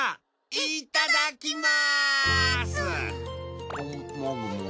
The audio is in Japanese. いただきます！